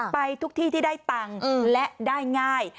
ไปทุกที่ที่ได้ตังค์และได้ง่าย